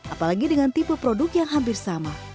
apalagi dengan tipe produk yang hampir sama